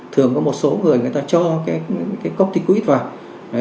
thường có một số người người ta cho cái cốc tích quýt vào